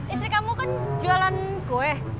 istri kamu kan jualan kue